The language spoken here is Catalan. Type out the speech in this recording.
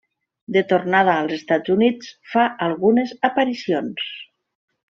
De tornada als Estats Units, fa algunes aparicions.